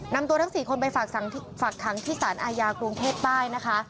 นำตัวทั้ง๔คนไปฝากขังที่สารอาญากรุงเทพใต้นะคะ